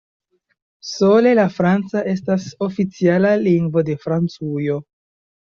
Sole la franca estas oficiala lingvo de Francujo.